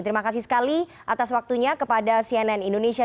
terima kasih sekali atas waktunya kepada cnn indonesia